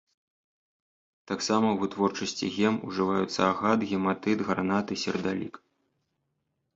Таксама ў вытворчасці гем ужываюць агат, гематыт, гранаты, сердалік.